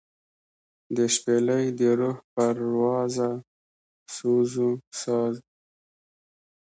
دشپیلۍ دروح پروازه سوزوسازه